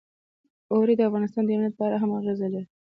اوړي د افغانستان د امنیت په اړه هم اغېز لري.